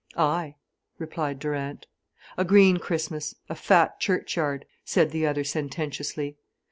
"Ay," replied Durant. "A green Christmas, a fat churchyard," said the other sententiously.